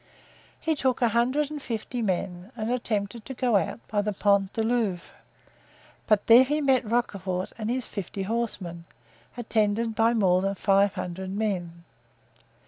He took a hundred and fifty men and attempted to go out by the Pont du Louvre, but there he met Rochefort and his fifty horsemen, attended by more than five hundred men.